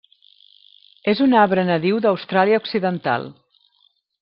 És un arbre nadiu d'Austràlia Occidental.